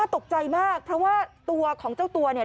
ตกใจมากเพราะว่าตัวของเจ้าตัวเนี่ย